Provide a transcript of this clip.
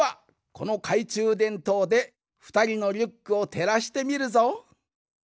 このかいちゅうでんとうでふたりのリュックをてらしてみるぞ。